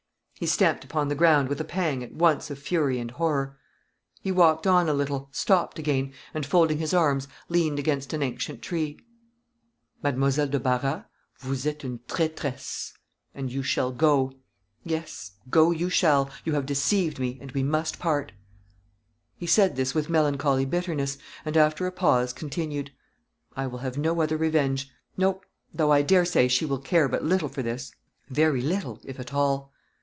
He stamped upon the ground with a pang at once of fury and horror. He walked on a little, stopped again, and folding his arms, leaned against an ancient tree. "Mademoiselle de Barras, vous êtes une traîtresse, and you shall go. Yes, go you shall; you have deceived me, and we must part." He said this with melancholy bitterness; and, after a pause, continued: "I will have no other revenge. No; though, I dare say, she will care but little for this; very little, if at all."